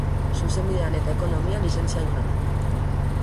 Zuzenbidean eta Ekonomian lizentziaduna da.